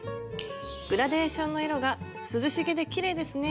グラデーションの色が涼しげできれいですね。